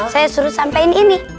saya suruh sampein ini